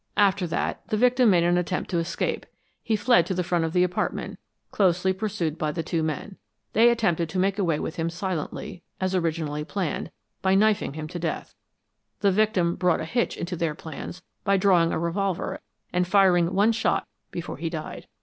"After that, the victim made an attempt to escape. He fled to the front of the apartment, closely pursued by the two men. They attempted to make away with him silently, as originally planned, by knifing him to death. The victim brought a hitch into their plans by drawing a revolver and firing one shot before he died.